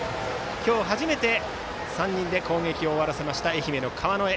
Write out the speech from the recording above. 今日初めて３人で攻撃を終わらせました愛媛の川之江。